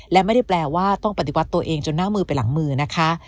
และไม่ได้แปลว่าต้องปฏิวัติตัวเองจนหน้ามือไปหลังมือนะคะ